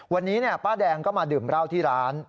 วันนี้ป้าแดงก็มาดื่มเหล้าที่ร้าน